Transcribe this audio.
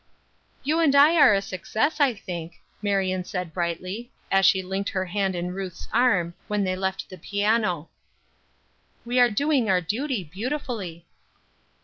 "You and I are a success, I think," Marion said brightly, as she linked her hand in Ruth's arm, when they left the piano. "We are doing our duty beautifully."